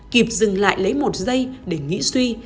kịp dừng lại lấy một giây để nghĩ suy